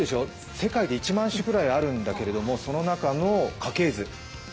世界で１万種くらいあるんだけど、その中の家系図。